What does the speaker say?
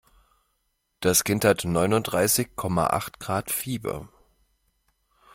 Das Kind hat Neunundreißig Komma Acht Grad Fieber.